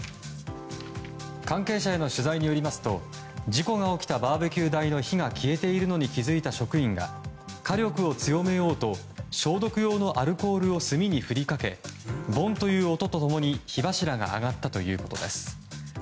関係者への取材によりますと事故が起きたバーベキュー台の火が消えているのに気づいた職員が火力を強めようと、消毒用のアルコールを炭に振りかけボンという音と共に火柱が上がったということです。